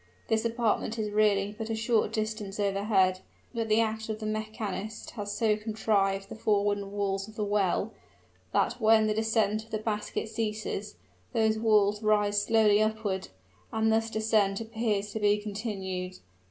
This apartment is really but a short distance overhead: but the art of the mechanist has so contrived the four wooden walls of the well, that when the descent of the basket ceases, those walls rise slowly upward, and thus descent appears to be continued.